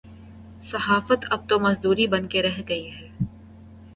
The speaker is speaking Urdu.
صحافت اب تو مزدوری بن کے رہ گئی ہے۔